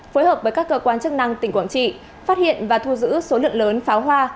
phối hợp với các cơ quan chức năng tỉnh quảng trị phát hiện và thu giữ số lượng lớn pháo hoa